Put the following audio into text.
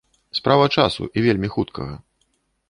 Справа часу і вельмі хуткага.